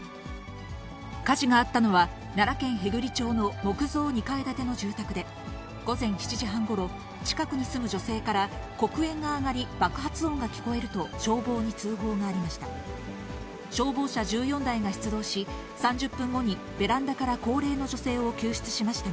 火事があったのは、奈良県平群町の木造２階建ての住宅で、午前７時半ごろ、近くに住む女性から、黒煙が上がり、爆発音が聞こえると、消防に通報がありました。